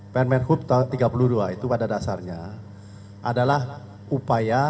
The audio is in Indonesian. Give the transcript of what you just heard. permen hub tahun tiga puluh dua itu pada dasarnya adalah upaya untuk tetap hadir dalam mengatur dalam rangka melayani masyarakat